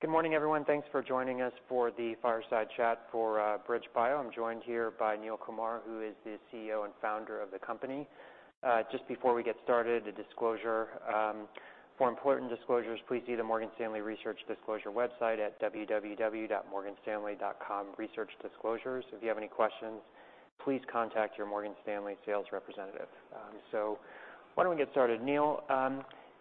Good morning, everyone. Thanks for joining us for the fireside chat for BridgeBio. I'm joined here by Neil Kumar, who is the CEO and Founder of the company. Just before we get started, a disclosure. For important disclosures, please see the Morgan Stanley Research Disclosure website at www.morganstanley.com/research/disclosures. If you have any questions, please contact your Morgan Stanley sales representative. Why don't we get started? Neil,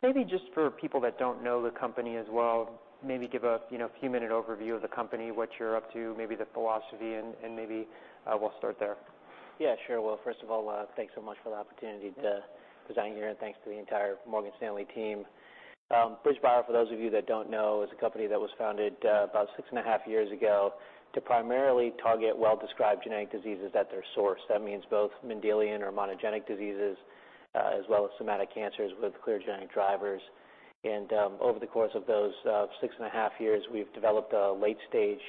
maybe just for people that don't know the company as well, maybe give a you know few minute overview of the company, what you're up to, maybe the philosophy and maybe we'll start there. Yeah, sure. Well, 1st of all, thanks so much for the opportunity to sign here, and thanks to the entire Morgan Stanley team. BridgeBio, for those of you that don't know, is a company that was founded about six and a half years ago to primarily target well-described genetic diseases at their source. That means both Mendelian or monogenic diseases, as well as somatic cancers with clear genetic drivers. Over the course of those six and a half years, we've developed a late stage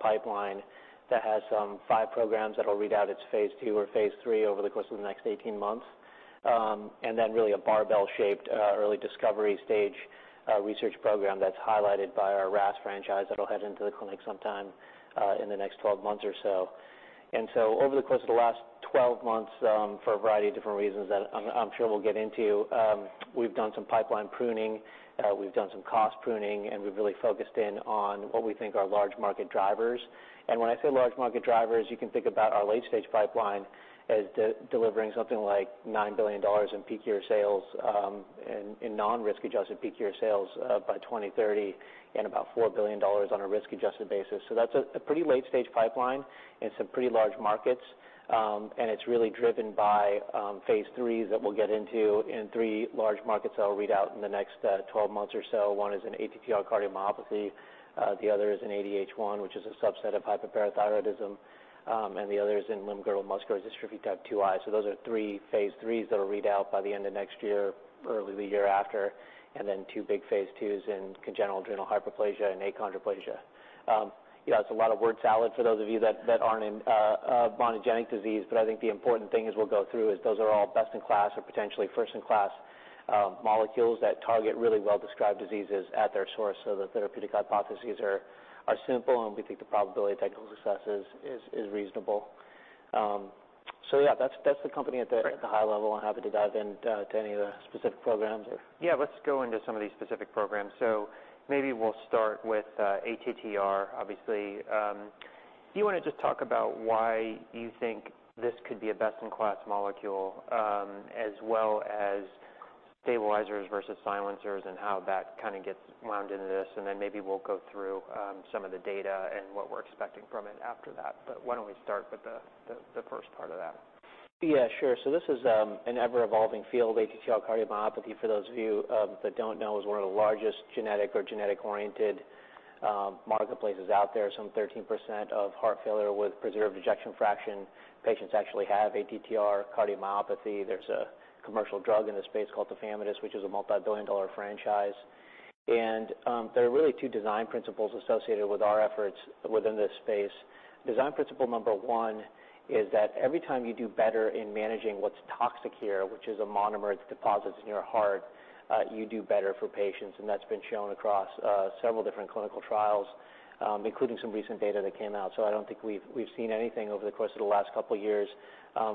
pipeline that has five programs that'll read out its phase II or phase III over the course of the next 18 months. Then really a barbell shaped early discovery stage research program that's highlighted by our RAS franchise that'll head into the clinic sometime in the next 12 months or so. Over the course of the last 12 months, for a variety of different reasons that I'm sure we'll get into, we've done some pipeline pruning, we've done some cost pruning, and we've really focused in on what we think are large market drivers. When I say large market drivers, you can think about our late stage pipeline as delivering something like $9 billion in peak year sales in non-risk adjusted peak year sales, by 2030, and about $4 billion on a risk adjusted basis. That's a pretty late stage pipeline in some pretty large markets. It's really driven by phase IIIs that we'll get into in three large markets that'll read out in the next 12 months or so. One is an ATTR cardiomyopathy, the other is an ADH1, which is a subset of hyperparathyroidism, and the other is in limb-girdle muscular dystrophy type 2I. Those are three phase IIIs that'll read out by the end of next year, early the year after, and then two big phase IIs in congenital adrenal hyperplasia and achondroplasia. Yeah, that's a lot of word salad for those of you that aren't in monogenic disease, but I think the important thing as we'll go through is those are all best in class or potentially 1st in class, molecules that target really well-described diseases at their source. The therapeutic hypotheses are simple, and we think the probability of technical success is reasonable. Yeah, that's the company at the- Great. At the high level. I'm happy to dive in, to any of the specific programs or... Yeah, let's go into some of these specific programs. Maybe we'll start with ATTR, obviously. Do you wanna just talk about why you think this could be a best in class molecule, as well as stabilizers versus silencers and how that kind of gets wound into this? Then maybe we'll go through some of the data and what we're expecting from it after that. Why don't we start with the 1st part of that? Yeah, sure. This is an ever evolving field. ATTR cardiomyopathy, for those of you that don't know, is one of the largest genetic-oriented marketplaces out there. Some 13% of heart failure with preserved ejection fraction patients actually have ATTR cardiomyopathy. There's a commercial drug in the space called tafamidis, which is a multi-billion dollar franchise. There are really two design principles associated with our efforts within this space. Design principle number one is that every time you do better in managing what's toxic here, which is a monomer that deposits in your heart, you do better for patients, and that's been shown across several different clinical trials, including some recent data that came out. I don't think we've seen anything over the course of the last couple years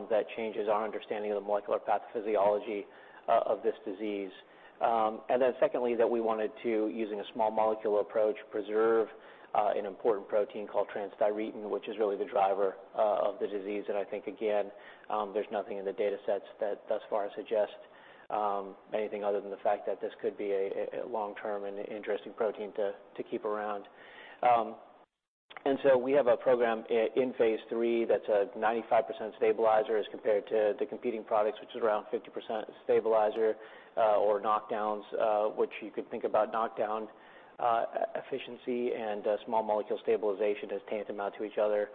that changes our understanding of the molecular pathophysiology of this disease. Then Secondly, that we wanted to, using a small molecule approach, preserve an important protein called transthyretin, which is really the driver of the disease. I think, again, there's nothing in the datasets that thus far suggest anything other than the fact that this could be a long-term and interesting protein to keep around. We have a program in phase III that's a 95% stabilizer as compared to the competing products, which is around 50% stabilizer or knockdowns, which you could think about knockdown efficiency and small molecule stabilization as tantamount to each other.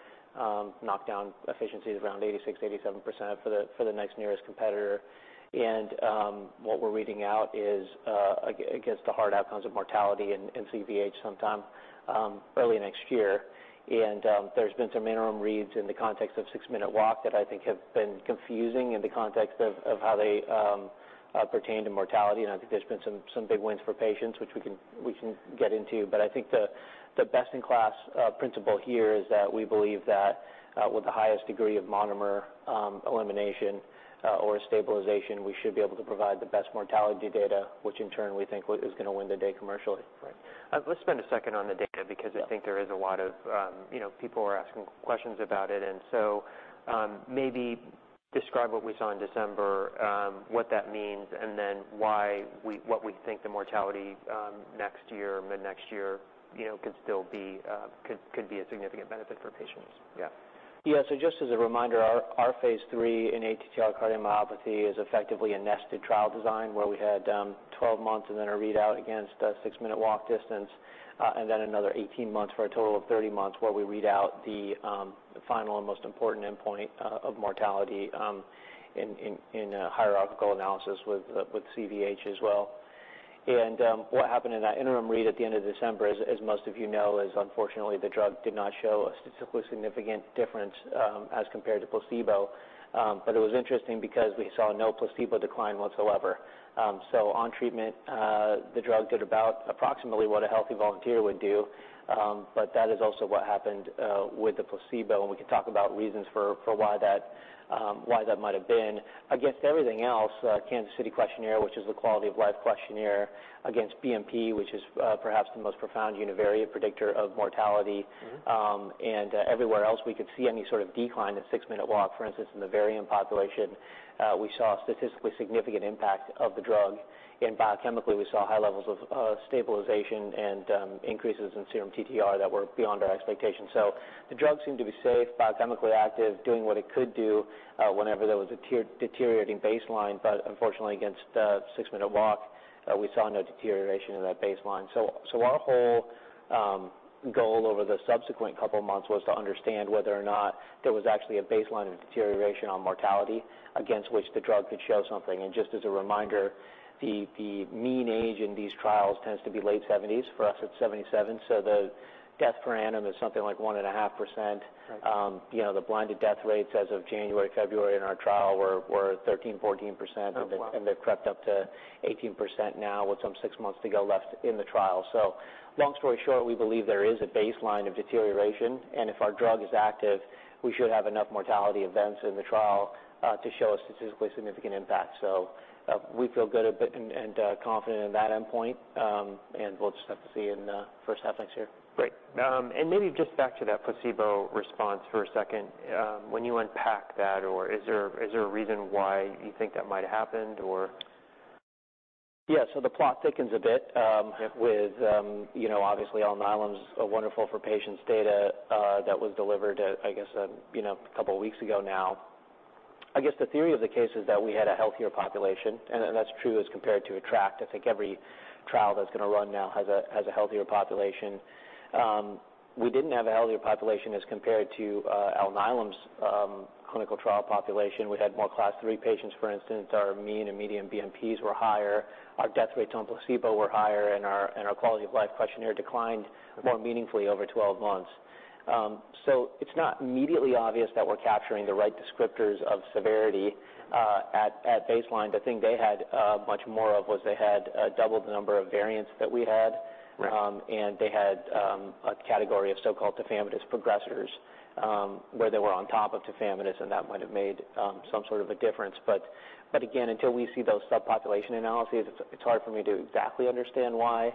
Knockdown efficiency is around 86%-87% for the next nearest competitor. What we're reading out is against the hard outcomes of mortality and CVH sometime early next year. There's been some interim reads in the context of six minute walk that I think have been confusing in the context of how they pertain to mortality. I think there's been some big wins for patients, which we can get into. The best in class principle here is that we believe that with the highest degree of monomer elimination or stabilization, we should be able to provide the best mortality data, which in turn we think is gonna win the day commercially. Right. Let's spend a 2nd on the data because. Yeah. I think there is a lot of, you know, people are asking questions about it. Maybe describe what we saw in December, what that means, and then why we, what we think the mortality, next year, mid next year, you know, could still be, could be a significant benefit for patients. Yeah. Yeah. Just as a reminder, our phase III in ATTR cardiomyopathy is effectively a nested trial design where we had 12 months and then a readout against a six minute walk distance, and then another 18 months for a total of 30 months where we read out the final and most important endpoint of mortality in a hierarchical analysis with CVH as well. What happened in that interim read at the end of December, as most of you know, is unfortunately the drug did not show a statistically significant difference as compared to placebo. It was interesting because we saw no placebo decline whatsoever. On treatment, the drug did about approximately what a healthy volunteer would do. That is also what happened with the placebo, and we can talk about reasons for why that might have been. Against everything else, Kansas City Questionnaire, which is the quality of life questionnaire. Against BNP, which is perhaps the most profound univariate predictor of mortality. Mm-hmm. Everywhere else we could see any sort of decline, the six minute walk, for instance, in the variant population, we saw a statistically significant impact of the drug. Biochemically, we saw high levels of stabilization and increases in serum TTR that were beyond our expectations. The drug seemed to be safe, biochemically active, doing what it could do, whenever there was a deteriorating baseline. Unfortunately, against the six minute walk, we saw no deterioration in that baseline. Our whole goal over the subsequent couple of months was to understand whether or not there was actually a baseline of deterioration on mortality against which the drug could show something. Just as a reminder, the mean age in these trials tends to be late 70s. For us, it's 77. The death per annum is something like 1.5%. Right. You know, the blinded death rates as of January, February in our trial were 13%, 14%. Oh, wow. They've crept up to 18% now with some six months to go left in the trial. Long story short, we believe there is a baseline of deterioration, and if our drug is active, we should have enough mortality events in the trial to show a statistically significant impact. We feel good but confident in that endpoint. We'll just have to see in 1st half next year. Great. Maybe just back to that placebo response for a 2nd. When you unpack that, or is there a reason why you think that might have happened or? Yeah. The plot thickens a bit. Yeah with, you know, obviously Alnylam's wonderful patient's data that was delivered, I guess, you know, a couple weeks ago now. I guess the theory of the case is that we had a healthier population, and that's true as compared to ATTR-ACT. I think every trial that's gonna run now has a healthier population. We didn't have a healthier population as compared to Alnylam's clinical trial population. We had more Class Three patients, for instance. Our mean and median BNPs were higher. Our death rates on placebo were higher, and our quality of life questionnaire declined. Right more meaningfully over 12 months. It's not immediately obvious that we're capturing the right descriptors of severity at baseline. The thing they had much more of was double the number of variants that we had. Right. They had a category of so called Tafamidis progressors, where they were on top of Tafamidis, and that might have made some sort of a difference. Again, until we see those subpopulation analyses, it's hard for me to exactly understand why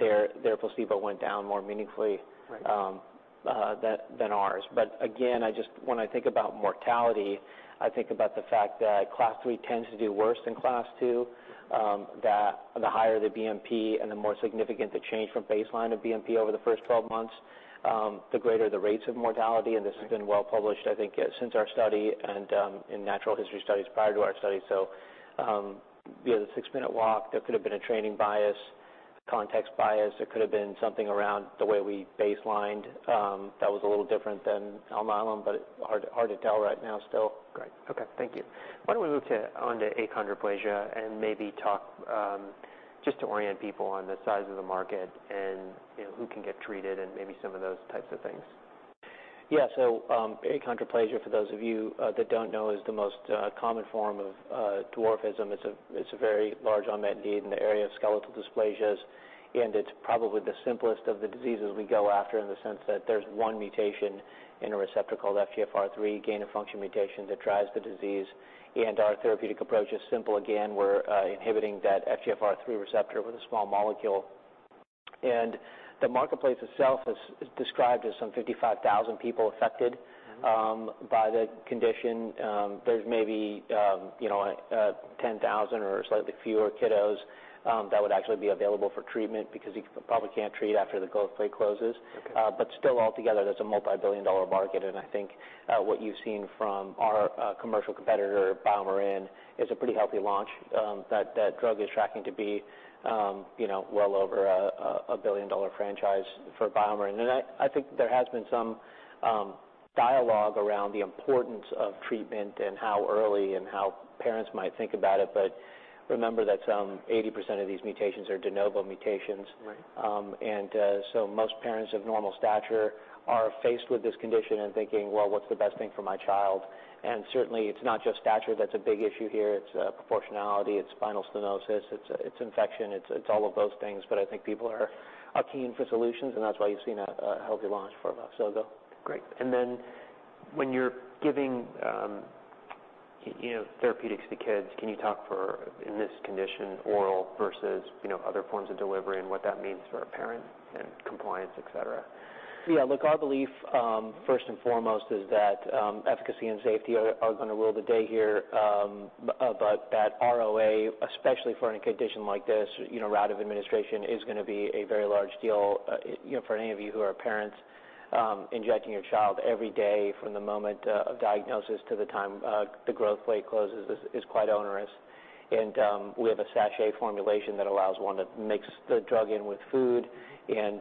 their placebo went down more meaningfully... Right ...than ours. Again, I just, when I think about mortality, I think about the fact that Class Three tends to do worse than Class Two, that the higher the BNP and the more significant the change from baseline of BNP over the 1st 12 months, the greater the rates of mortality. Right. This has been well-published, I think, since our study and in natural history studies prior to our study. The six minute walk, there could have been a training bias, a context bias. There could have been something around the way we baselined, that was a little different than Alnylam, but hard to tell right now still. Great. Okay. Thank you. Why don't we move to onto achondroplasia, and maybe talk just to orient people on the size of the market, and, you know, who can get treated and maybe some of those types of things. Yeah. Achondroplasia, for those of you that don't know, is the most common form of dwarfism. It's a very large unmet need in the area of skeletal dysplasias, and it's probably the simplest of the diseases we go after in the sense that there's one mutation in a receptor called FGFR3, gain-of-function mutation that drives the disease. Our therapeutic approach is simple. Again, we're inhibiting that FGFR3 receptor with a small molecule. The marketplace itself is described as some 55,000 people affected- Mm-hmm By the condition. There's maybe, you know, 10,000 or slightly fewer kiddos that would actually be available for treatment because you probably can't treat after the growth plate closes. Okay. Still altogether, that's a multi-billion dollar market. I think what you've seen from our commercial competitor, BioMarin, is a pretty healthy launch. That drug is tracking to be, you know, well over a billion dollar franchise for BioMarin. I think there has been some dialogue around the importance of treatment and how early and how parents might think about it. Remember that 80% of these mutations are de novo mutations. Right. Most parents of normal stature are faced with this condition and thinking, "Well, what's the best thing for my child?" Certainly it's not just stature that's a big issue here. It's proportionality. It's spinal stenosis. It's infection. It's all of those things. I think people are keen for solutions, and that's why you've seen a healthy launch for Voxzogo. Great. When you're giving you know therapeutics to kids, can you talk for in this condition? Yeah oral versus, you know, other forms of delivery and what that means for a parent and compliance, et cetera? Yeah. Look, our belief, 1st and foremost is that efficacy and safety are gonna rule the day here. But that ROA, especially for any condition like this, you know, route of administration is gonna be a very large deal, you know, for any of you who are parents, injecting your child every day from the moment of diagnosis to the time the growth plate closes is quite onerous. We have a sachet formulation that allows one to mix the drug in with food, and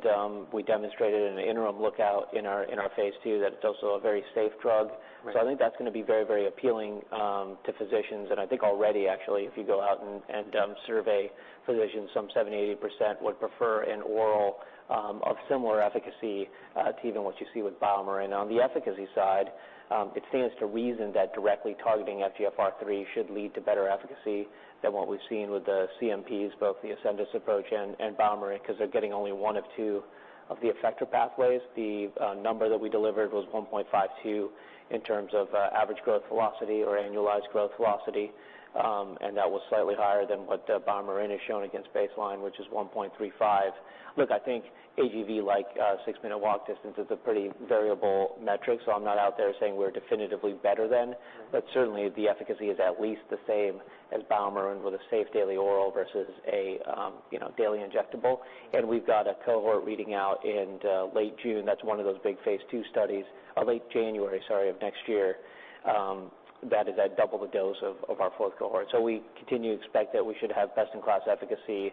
we demonstrated in the interim readout in our phase II that it's also a very safe drug. Right. I think that's gonna be very, very appealing to physicians. I think already actually, if you go out and survey physicians, some 70%-80% would prefer an oral of similar efficacy to even what you see with BioMarin. On the efficacy side, it stands to reason that directly targeting FGFR3 should lead to better efficacy than what we've seen with the CNPs, both the Ascendis approach and BioMarin, 'cause they're getting only one of two of the effector pathways. The number that we delivered was 1.52 in terms of average growth velocity or annualized growth velocity. That was slightly higher than what BioMarin has shown against baseline, which is 1.35. Look, I think AGV, like six minute walk distance, is a pretty variable metric, so I'm not out there saying we're definitively better than. Right. Certainly the efficacy is at least the same as Voxzogo and with a safe daily oral versus a daily injectable. We've got a cohort reading out in late June, that's one of those big phase II studies, or late January, sorry, of next year, that is at double the dose of our 4th cohort. We continue to expect that we should have best-in-class efficacy,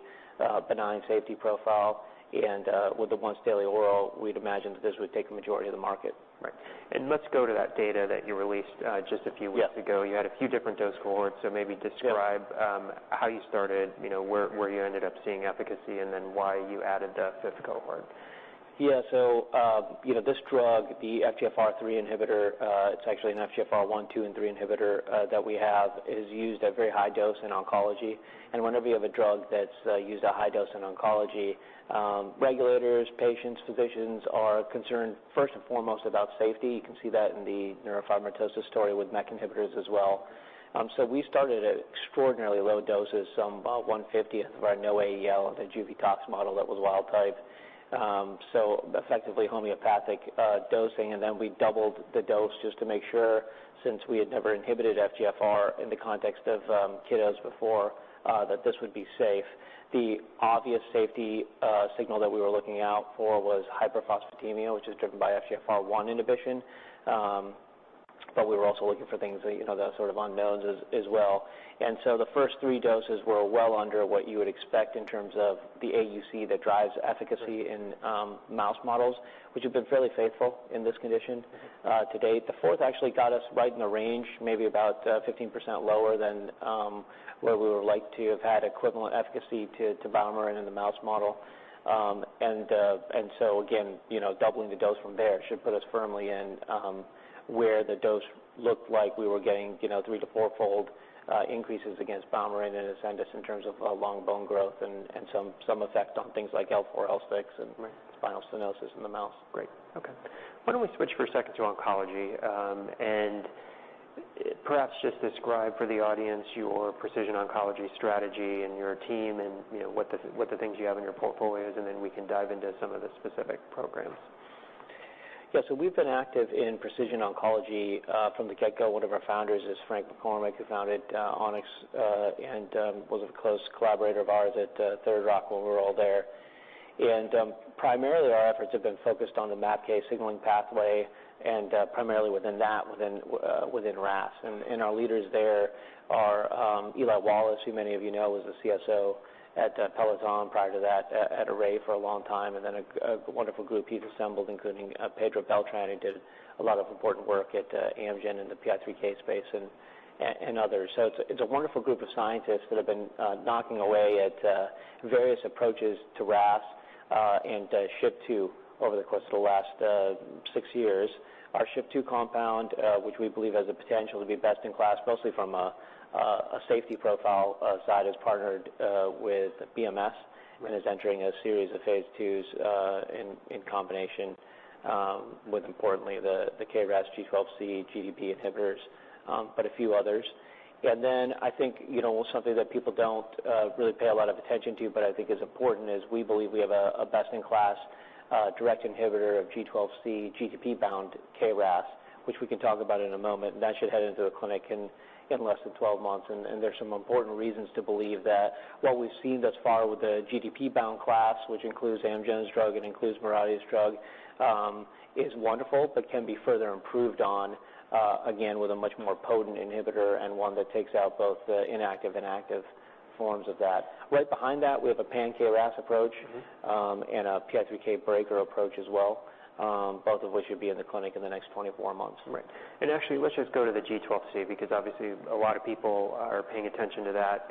benign safety profile, and with the once daily oral, we'd imagine that this would take the majority of the market. Right. Let's go to that data that you released just a few weeks ago. Yeah. You had a few different dose cohorts, so maybe describe. Yeah how you started, you know, where you ended up seeing efficacy, and then why you added the fifth cohort? Yeah. You know, this drug, the FGFR3 inhibitor, it's actually an FGFR1, FGFR2, and FGFR3 inhibitor that we have is used at very high dose in oncology. Whenever you have a drug that's used at high dose in oncology, regulators, patients, physicians are concerned 1st and foremost about safety. You can see that in the neurofibromatosis story with MEK inhibitors as well. We started at extraordinarily low doses, about 150th of our NOAEL, the juvenile tox model that was wild type. Effectively homeopathic dosing. We doubled the dose just to make sure, since we had never inhibited FGFR in the context of kiddos before, that this would be safe. The obvious safety signal that we were looking out for was hyperphosphatemia, which is driven by FGFR1 inhibition. We were also looking for things that, you know, the sort of unknowns as well. The 1st three doses were well under what you would expect in terms of the AUC that drives efficacy. Right... in mouse models, which have been fairly faithful in this condition to date. The 4th actually got us right in the range, maybe about 15% lower than where we would like to have had equivalent efficacy to BioMarin and in the mouse model. Again, you know, doubling the dose from there should put us firmly in where the dose looked like we were getting, you know, three to fourfold increases against BioMarin and Ascendis in terms of long bone growth and some effect on things like L4, L6. Right spinal stenosis in the mouse. Great. Okay. Why don't we switch for a 2nd to oncology, and perhaps just describe for the audience your precision oncology strategy and your team and, you know, what the things you have in your portfolios, and then we can dive into some of the specific programs. Yeah. We've been active in precision oncology from the get-go. One of our founders is Frank McCormick, who founded Onyx and was a close collaborator of ours at Third Rock when we were all there. Primarily our efforts have been focused on the MAPK signaling pathway and primarily within that, within RAS. Our leaders there are Eli Wallace, who many of you know was the CSO at Peloton, prior to that at Array for a long time, and then a wonderful group he's assembled, including Pedro Beltran, who did a lot of important work at Amgen in the PI3K space and others. It's a wonderful group of scientists that have been knocking away at various approaches to RAS and SHP2 over the course of the last six years. Our SHP2 compound, which we believe has the potential to be best in class, mostly from a safety profile side, is partnered with BMS- Right is entering a series of phase IIs in combination with importantly the KRAS G12C GTP inhibitors, but a few others. I think, you know, something that people don't really pay a lot of attention to, but I think is important, is we believe we have a best in class direct inhibitor of G12C GTP-bound KRAS, which we can talk about in a moment. That should head into the clinic in less than 12 months. There's some important reasons to believe that what we've seen thus far with the GTP-bound class, which includes Amgen's drug and includes Mirati's drug, is wonderful, but can be further improved on, again, with a much more potent inhibitor and one that takes out both the inactive and active forms of that. Right behind that, we have a pan-KRAS approach. Mm-hmm a PI3K breaker approach as well, both of which should be in the clinic in the next 24 months. Right. Actually, let's just go to the G12C, because obviously a lot of people are paying attention to that.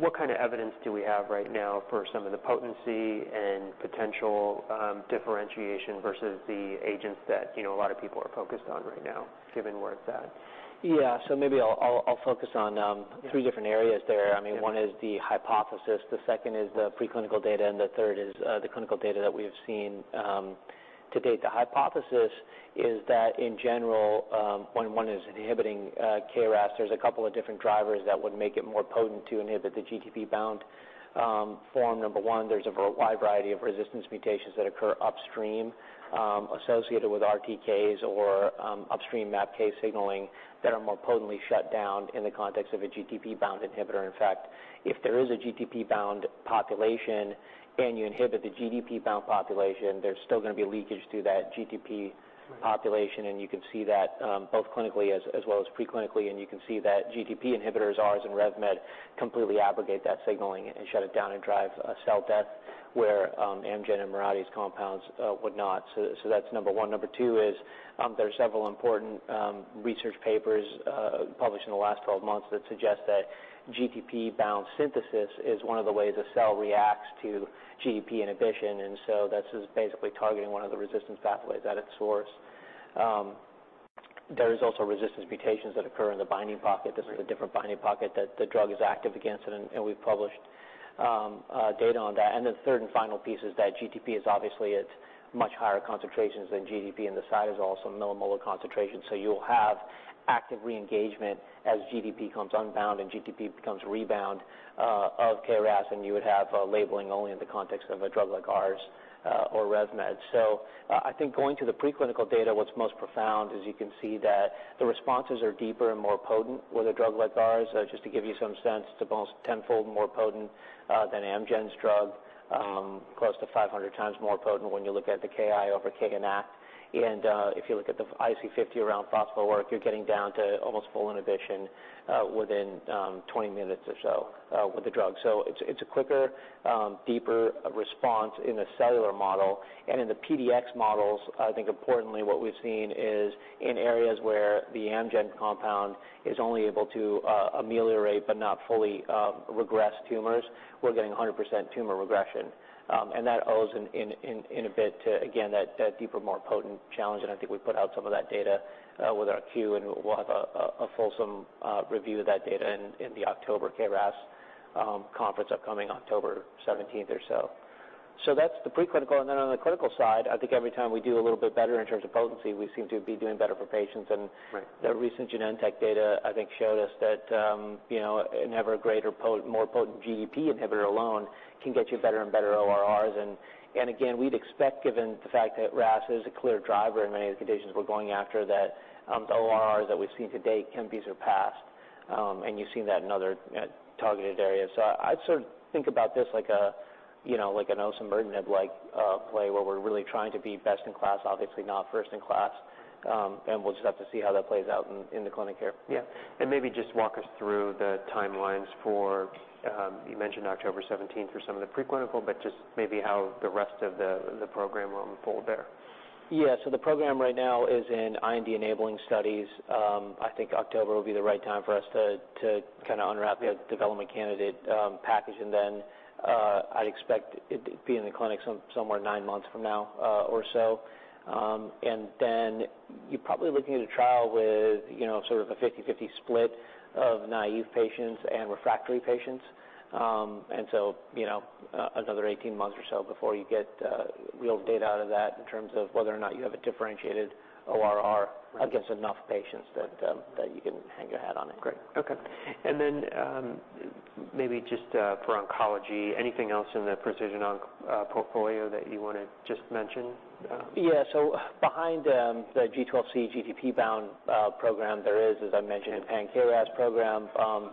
What kind of evidence do we have right now for some of the potency and potential differentiation versus the agents that, you know, a lot of people are focused on right now, given where it's at? Yeah. Maybe I'll focus on. Yeah Three different areas there. Yeah. I mean, one is the hypothesis, the 2nd is the preclinical data, and the 3rd is the clinical data that we have seen to date. The hypothesis is that in general, when one is inhibiting KRAS, there's a couple of different drivers that would make it more potent to inhibit the GTP-bound form. Number one, there's a wide variety of resistance mutations that occur upstream associated with RTKs or upstream MAPK signaling that are more potently shut down in the context of a GTP-bound inhibitor. In fact, if there is a GTP-bound population and you inhibit the GDP-bound population, there's still gonna be leakage to that GTP population, and you can see that both clinically as well as preclinically. You can see that GTP inhibitors, ours and Revolution Medicines, completely abrogate that signaling and shut it down and drive cell death where Amgen and Mirati Therapeutics' compounds would not. That's number one. Number two is there are several important research papers published in the last 12 months that suggest that GTP-bound synthesis is one of the ways a cell reacts to GDP inhibition, and that's just basically targeting one of the resistance pathways at its source. There is also resistance mutations that occur in the binding pocket. This is a different binding pocket that the drug is active against, and we've published data on that. The 3rd and final piece is that GTP is obviously at much higher concentrations than GDP, and inside is also millimolar concentration. You'll have active re-engagement as GDP comes unbound and GTP becomes rebound of KRAS, and you would have labeling only in the context of a drug like ours or RevMed's. I think going to the preclinical data, what's most profound is you can see that the responses are deeper and more potent with a drug like ours. Just to give you some sense, it's about tenfold more potent than Amgen's drug, close to 500 times more potent when you look at the KI over Kinact. If you look at the IC50 around phospho work, you're getting down to almost full inhibition within 20 minutes or so with the drug. It's a quicker deeper response in the cellular model. In the PDX models, I think importantly what we've seen is in areas where the Amgen compound is only able to ameliorate but not fully regress tumors, we're getting 100% tumor regression. That owes in a bit to again that deeper more potent challenge, and I think we've put out some of that data with our Q, and we'll have a fulsome review of that data in the October KRAS conference upcoming October 17th or so. That's the preclinical. Then on the clinical side, I think every time we do a little bit better in terms of potency, we seem to be doing better for patients. And- Right. The recent Genentech data I think showed us that, you know, more potent GDP inhibitor alone can get you better and better ORRs. We'd expect, given the fact that RAS is a clear driver in many of the conditions we're going after, that the ORRs that we've seen to date can be surpassed, and you've seen that in other targeted areas. I'd sort of think about this like a, you know, like an osimertinib-like play, where we're really trying to be best in class, obviously not 1st in class. We'll just have to see how that plays out in the clinic here. Yeah. Maybe just walk us through the timelines for, you mentioned October 17th for some of the preclinical, but just maybe how the rest of the program will unfold there. Yeah. The program right now is in IND-enabling studies. I think October will be the right time for us to kind of unwrap the development candidate package. I'd expect it'd be in the clinic somewhere nine months from now, or so. You're probably looking at a trial with, you know, sort of a 50/50 split of naive patients and refractory patients. You know, another 18 months or so before you get real data out of that in terms of whether or not you have a differentiated ORR- Right. Against enough patients that you can hang your hat on it. Great. Okay. Maybe just, for oncology, anything else in the precision oncology portfolio that you wanna just mention? Yeah. Behind the G12C GTP-bound program, there is, as I mentioned, a pan-KRAS program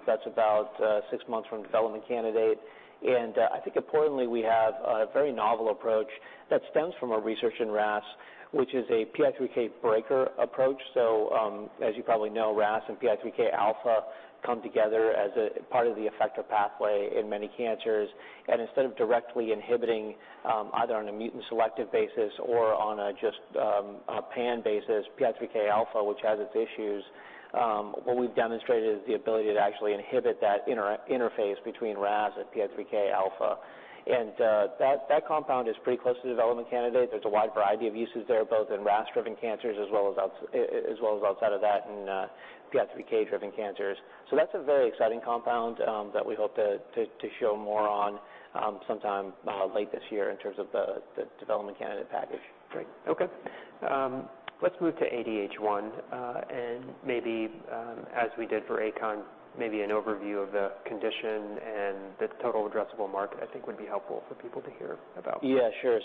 that's about six months from development candidate. I think importantly, we have a very novel approach that stems from our research in RAS, which is a PI3K breaker approach. As you probably know, RAS and PI3Kα come together as a part of the effector pathway in many cancers. Instead of directly inhibiting either on a mutant-selective basis or on a just a pan basis PI3Kα, which has its issues, what we've demonstrated is the ability to actually inhibit that interface between RAS and PI3Kα. That compound is pretty close to development candidate. There's a wide variety of uses there, both in RAS-driven cancers as well as outside of that in PI3K-driven cancers. That's a very exciting compound that we hope to show more on sometime late this year in terms of the development candidate package. Great. Okay. Let's move to ADH1, and maybe, as we did for, maybe an overview of the condition and the total addressable market, I think, would be helpful for people to hear about. Yeah, sure.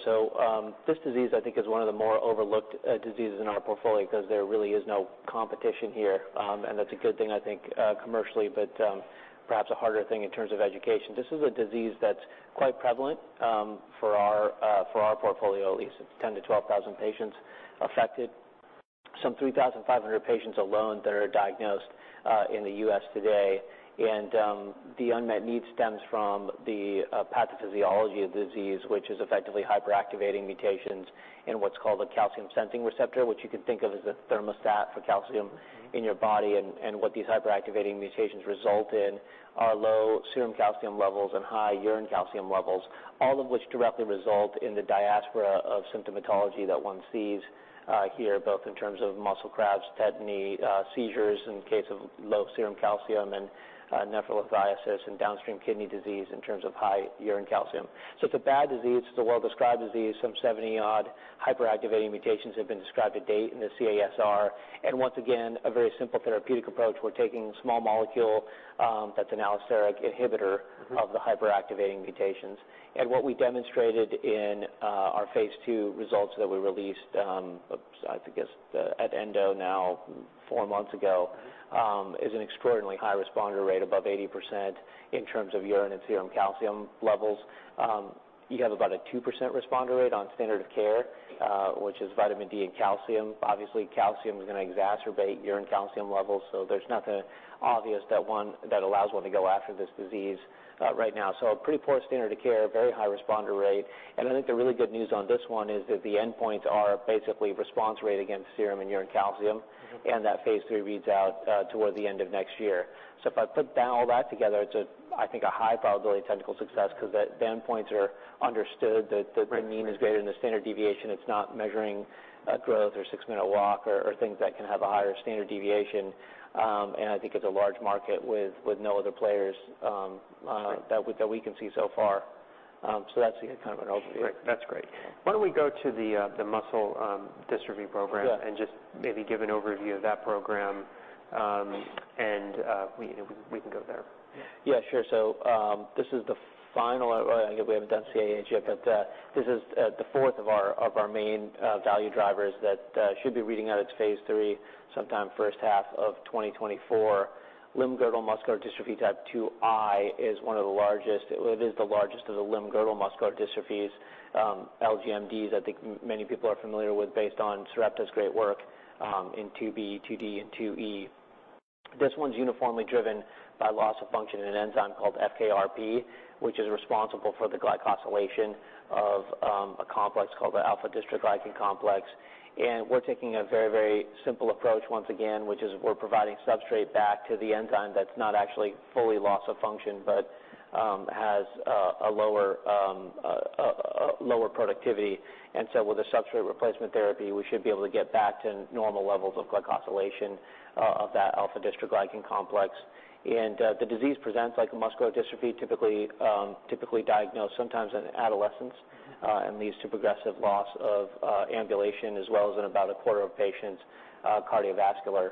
This disease I think is one of the more overlooked diseases in our portfolio because there really is no competition here. That's a good thing I think, commercially, but perhaps a harder thing in terms of education. This is a disease that's quite prevalent for our portfolio, at least. It's 10,000-12,000 patients affected. Some 3,500 patients alone that are diagnosed in the U.S. today. The unmet need stems from the pathophysiology of the disease, which is effectively hyperactivating mutations in what's called a calcium-sensing receptor, which you can think of as a thermostat for calcium. Mm-hmm. In your body. What these hyperactivating mutations result in are low serum calcium levels and high urine calcium levels, all of which directly result in the diverse array of symptomatology that one sees here, both in terms of muscle cramps, tetany, seizures in case of low serum calcium, and nephrolithiasis and downstream kidney disease in terms of high urine calcium. It's a bad disease. It's a well-described disease. Some 70-odd hyperactivating mutations have been described to date in the CASR. Once again, a very simple therapeutic approach. We're taking small molecule that's an allosteric inhibitor. Mm-hmm Of the hyperactivating mutations. What we demonstrated in our phase II results that we released at ENDO, now four months ago. Mm-hmm is an extraordinarily high responder rate, above 80%, in terms of urine and serum calcium levels. You have about a 2% responder rate on standard of care, which is vitamin D and calcium. Obviously, calcium is gonna exacerbate urine calcium levels, so there's nothing obvious that allows one to go after this disease, right now. A pretty poor standard of care, very high responder rate. I think the really good news on this one is that the endpoints are basically response rate against serum and urine calcium. Mm-hmm. That phase III reads out towards the end of next year. If I put down all that together, it's a, I think, a high probability of technical success, 'cause the endpoints are understood, that the mean- Right... is greater than the standard deviation. It's not measuring growth or six minute walk or things that can have a higher standard deviation. I think it's a large market with no other players. Right that we can see so far. That's the kind of an overview. Great. That's great. Why don't we go to the muscular dystrophy program. Yeah just maybe give an overview of that program. We can go there. Yeah, sure. This is the final, well, I guess we haven't done CAH yet, but this is the 4th of our main value drivers that should be reading out its phase III sometime 1st half of 2024. Limb-girdle muscular dystrophy type 2I is one of the largest, it is the largest of the limb-girdle muscular dystrophies. LGMDs, I think many people are familiar with based on Sarepta's great work in 2B, 2D, and 2E. This one's uniformly driven by loss of function in an enzyme called FKRP, which is responsible for the glycosylation of a complex called the alpha-dystroglycan complex. We're taking a very, very simple approach once again, which is we're providing substrate back to the enzyme that's not actually fully loss of function, but has a lower productivity. With a substrate replacement therapy, we should be able to get back to normal levels of glycosylation of that alpha-dystroglycan complex. The disease presents like muscular dystrophy, typically diagnosed sometimes in adolescence, and leads to progressive loss of ambulation, as well as in about a quarter of patients, cardiovascular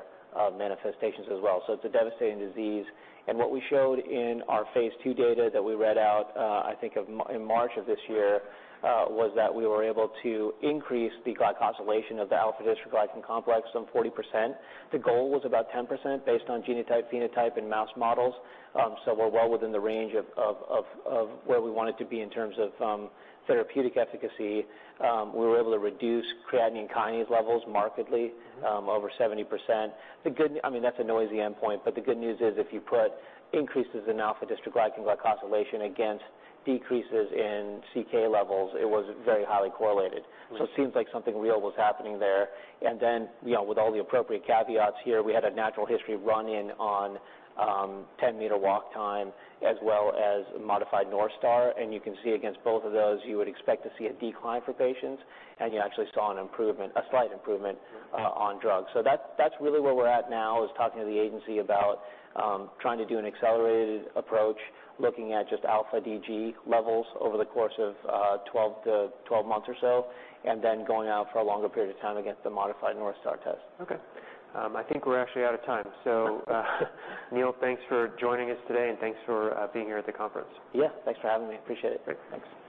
manifestations as well. It's a devastating disease. What we showed in our phase II data that we read out, I think in March of this year, was that we were able to increase the glycosylation of the alpha-dystroglycan complex some 40%. The goal was about 10% based on genotype, phenotype, and mouse models, so we're well within the range of where we want it to be in terms of therapeutic efficacy. We were able to reduce creatine kinase levels markedly. Mm-hmm ...over 70%. The good, I mean, that's a noisy endpoint, but the good news is if you put increases in alpha-dystroglycan glycosylation against decreases in CK levels, it was very highly correlated. Right. It seems like something real was happening there. Then, you know, with all the appropriate caveats here, we had a natural history run-in on 10 m walk time, as well as modified North Star. You can see against both of those, you would expect to see a decline for patients, and you actually saw an improvement, a slight improvement. Right on drug. That's really where we're at now, is talking to the agency about trying to do an accelerated approach, looking at just alpha-DG levels over the course of 12 to 12 months or so, and then going out for a longer period of time against the modified North Star test. I think we're actually out of time. Neil, thanks for joining us today, and thanks for being here at the conference. Yeah, thanks for having me. Appreciate it. Great. Thanks.